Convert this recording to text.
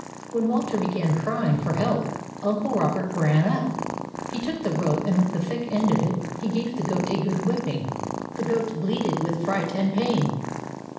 When Walter began crying for help, Uncle Robert ran up. He took the rope, and with the thick end of it he gave the goat a good whipping. The goat bleated with fright and pain.